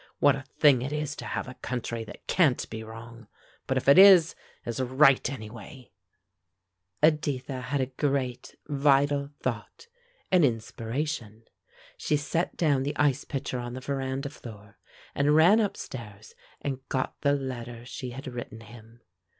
What a thing it is to have a country that can't be wrong, but if it is, is right anyway!" Editha had a great, vital thought, an inspiration. She set down the ice pitcher on the veranda floor, and ran up stairs and got the letter she had written him.